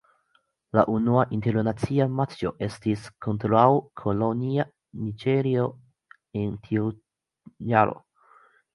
La unua internacia matĉo estis kontraŭ kolonia Niĝerio en tiu jaro.